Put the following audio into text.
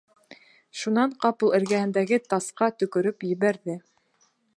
Шунан ҡапыл эргәһендәге тасҡа төкөрөп ебәрҙе.